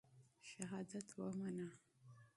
شهادت ومنه.